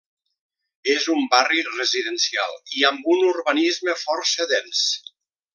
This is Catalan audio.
És un barri residencial i amb un urbanisme força dens.